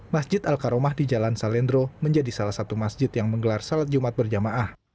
masjid al karomah di jalan salendro menjadi salah satu masjid yang menggelar salat jumat berjamaah